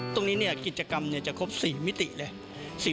ตรงนี้กิจกรรมจะครบ๔มิติเลย